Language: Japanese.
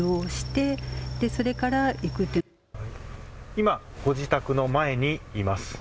今、ご自宅の前にいます。